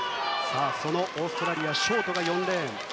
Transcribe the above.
そのオーストラリア、ショートが４レーン。